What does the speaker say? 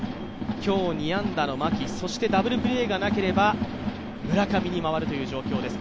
今日２安打の牧、そしてダブルプレーがなければ村上に回るという状況です